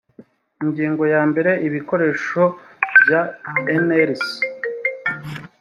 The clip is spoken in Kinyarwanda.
ingingo ya mbere ibikoresho bya nlc